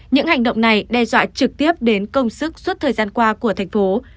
những hành động này đe dọa trực tiếp đến công sức suốt thời gian qua của thành phố